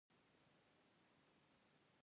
هغه د مېرمنې د سینګار لپاره زرګونه افغانۍ ورکوي